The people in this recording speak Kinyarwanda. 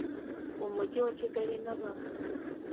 umujyi wa kigali na ba